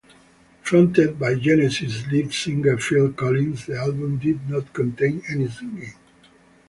Fronted by Genesis lead singer Phil Collins, the album did not contain any singing.